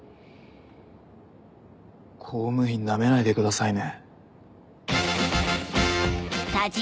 公務員ナメないでくださいね。